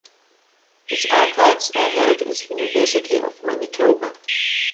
His archives are held at University of Manitoba.